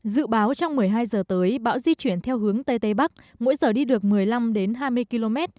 dự báo trong một mươi hai giờ tới bão di chuyển theo hướng tây tây bắc mỗi giờ đi được một mươi năm hai mươi km